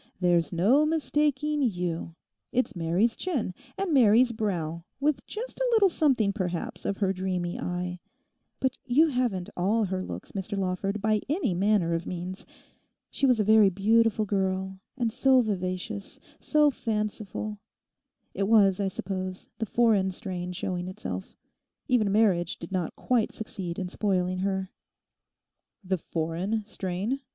'There's no mistaking you. It's Mary's chin, and Mary's brow—with just a little something, perhaps, of her dreamy eye. But you haven't all her looks, Mr Lawford, by any manner of means. She was a very beautiful girl, and so vivacious, so fanciful—it was, I suppose the foreign strain showing itself. Even marriage did not quite succeed in spoiling her.' 'The foreign strain?